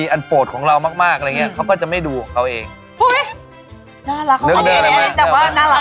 แล้วคุณยังไงอะละคุณก็ต้องแบบเขาไม่ค่อยดูอย่างนี้เหรอ